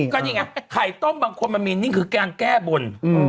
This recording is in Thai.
ก็นี่ไงไข่ต้มบางคนมันมีนี่คือการแก้บน